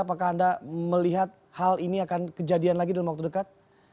apakah anda melihat hal ini akan kejadian lagi dalam waktu dekat